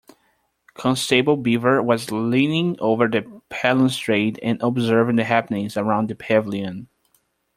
Constable Beaver was leaning over the balustrade and observing the happenings around the pavilion.